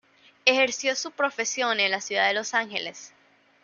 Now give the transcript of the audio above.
Ejerció su profesión en la ciudad de Los Ángeles.